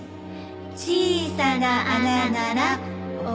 小さな穴ならお星様。